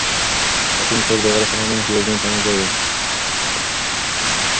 خټین کور د غره په لمن کې یوازینی پناه ځای دی.